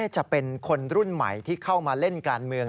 จะเป็นคนรุ่นใหม่ที่เข้ามาเล่นการเมือง